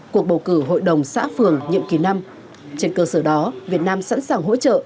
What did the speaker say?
cuộc bầu cử hội đồng xã phường nhiệm kỳ năm trên cơ sở đó việt nam sẵn sàng hỗ trợ